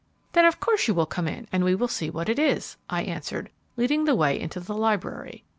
"Then of course you will come in, and we will see what it is," I answered, leading the way into the library.